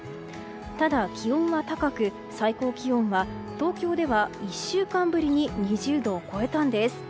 ただ、気温は高く最高気温は、東京では１週間ぶりに２０度を超えたんです。